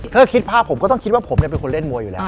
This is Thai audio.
ถ้าคิดภาพผมก็ต้องคิดว่าผมเป็นคนเล่นมวยอยู่แล้ว